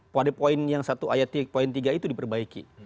pada poin yang satu ayat poin tiga itu diperbaiki